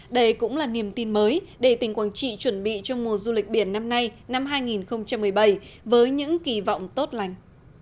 đây cũng là niềm tin mới để tỉnh quảng trị chuẩn bị cho mùa du lịch biển năm nay năm hai nghìn một mươi bảy với những kỳ vọng tốt lành